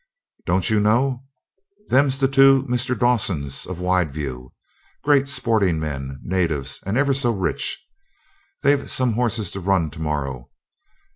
'Don't you know? Them's the two Mr. Dawsons, of Wideview, great sporting men, natives, and ever so rich. They've some horses to run to morrow.